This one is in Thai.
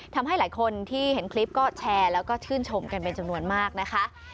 ทำให้หลายคนที่เห็นคลิปก็แชร์แล้วก็ชื่นชมกันเป็นจำนวนมากนะคะ